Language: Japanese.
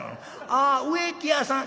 「ああ植木屋さん」。